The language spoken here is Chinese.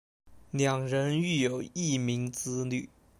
两人育有一名子女。